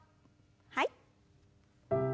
はい。